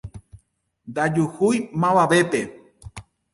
Ndajuhúi mavavépe